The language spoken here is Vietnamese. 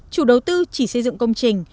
chủ đầu tư chỉ xây dựng công trình